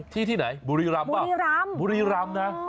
ที่ไหนบุรีรามบุรีราม